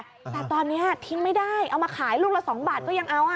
แต่ตอนนี้ทิ้งไม่ได้เอามาขายลูกละ๒บาทก็ยังเอา